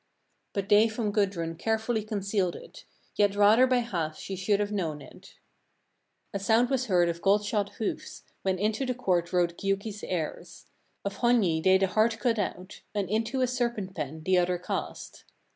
27. But they from Gudrun carefully concealed it, yet rather by half she should have known it. 28. A sound was heard of gold shod hoofs, when into the court rode Giuki's heirs. Of Hogni they the heart cut out, and into a serpent pen the other cast.